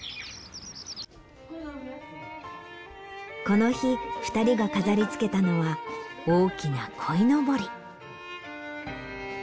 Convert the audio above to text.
この日２人が飾りつけたのは大きなこいのぼり。